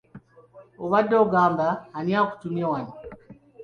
Obadde ogamba ani akutumye wano?